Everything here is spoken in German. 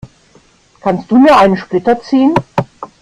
Kannst du mir einen Splitter ziehen?